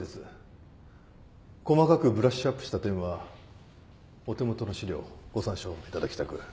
細かくブラッシュアップした点はお手元の資料をご参照いただきたく。